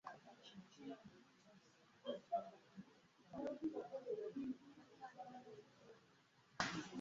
Maama wange leero aja kukulaba.